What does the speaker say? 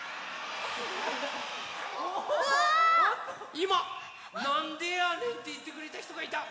いま「なんでやねん」っていってくれたひとがいた！